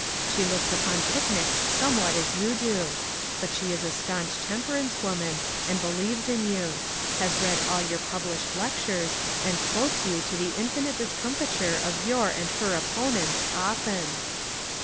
She looks upon pic nics somewhat as you do; but she is a staunch temperance woman, and believes in you; has read all your published lectures, and quotes you to the infinite discomfiture of your and her opponents often."